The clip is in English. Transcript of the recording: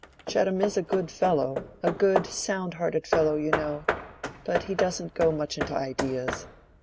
Chettam is a good fellow, a good sound hearted fellow, you know; but he doesn't go much into ideas.